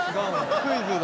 クイズだ。